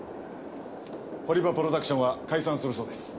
堀場プロダクションは解散するそうです。